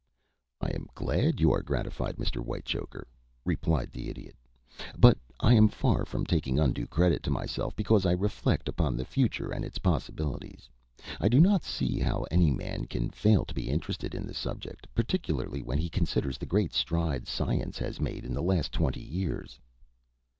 "I am glad you are gratified, Mr. Whitechoker," replied the Idiot, "but I am far from taking undue credit to myself because I reflect upon the future and its possibilities. I do not see how any man can fail to be interested in the subject, particularly when he considers the great strides science has made in the last twenty years."